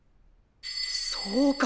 そうか！